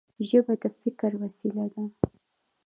ژبه د فکر وسیله ده.